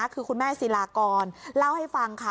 คือคุณแม่ศิลากรเล่าให้ฟังค่ะ